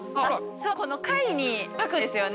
そうだこの貝に書くんですよね